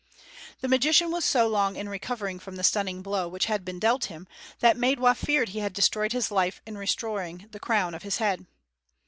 The magician was so long in recovering from the stunning blow which had been dealt him, that Maidwa feared he had destroyed his life in restoring the crown of his head.